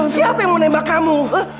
siapa yang mau nembak kamu